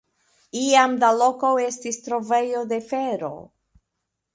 Iam la loko estis trovejo de fero.